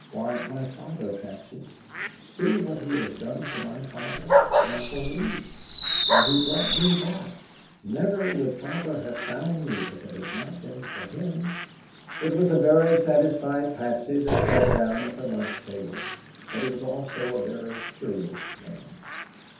Why, my father, Patsy. See what he has done for my father, and for me! Why, he brought me back. Never would father have found me if it had not been for him." It was a very satisfied Patsy that sat down at the lunch table, but it was also a very curious one.